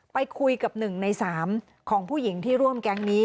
ไปคุยกับ๑ใน๓ของผู้หญิงที่ร่วมแก๊งนี้